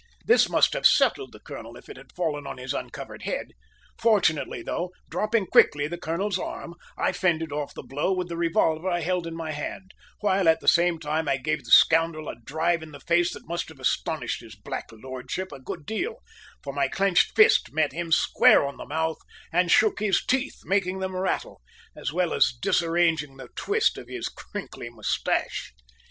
This must have settled the colonel if it had fallen on his uncovered head. Fortunately though, dropping quickly the colonel's arm, I fended off the blow with the revolver I held in my hand, while at the same time I gave the scoundrel a drive in the face that must have astonished his black lordship a good deal, for my clenched fist met him square on the mouth and shook his teeth, making them rattle, as well as disarranging the twist of his crinkly moustache!